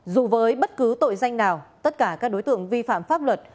dù với bất cứ tội danh nào tất cả các đối tượng vi phạm pháp luật